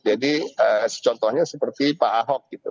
jadi contohnya seperti pak ahok gitu